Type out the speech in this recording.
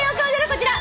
こちら。